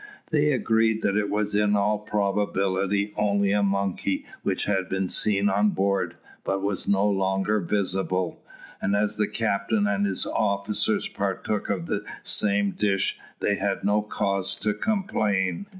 They agreed that it was in all probability only a monkey which had been seen on board, but was no longer visible; and as the captain and his officers partook of the same dish, they had no cause to complain.